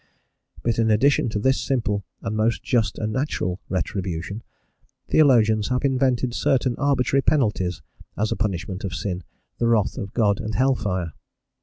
But in addition to this simple and most just and natural "retribution," theologians have invented certain arbitrary penalties as a punishment of sin, the wrath of God and hell fire.